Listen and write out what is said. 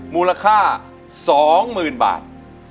มูลค่า๒๐๐๐๐บาท